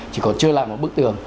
chỉ còn chơi lại một bức tường